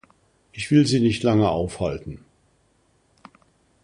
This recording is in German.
Ich will Sie nicht lange aufhalten.